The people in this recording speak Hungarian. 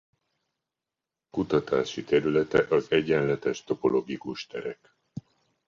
Kutatási területe az egyenletes topologikus terek.